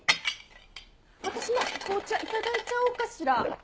私も紅茶頂いちゃおうかしら。